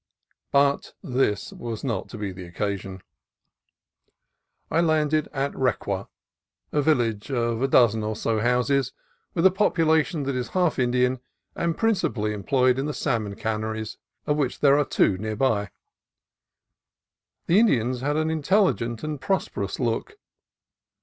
But this was not to be the occasion. I landed at Requa, a village of a dozen or so houses, with a population that is half Indian, and principally employed in the salmon canneries, of which there are two near by. The Indians had an intelligent and prosperous look.